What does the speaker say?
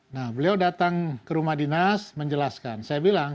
nah beliau datang ke rumah dinas menjelaskan saya bilang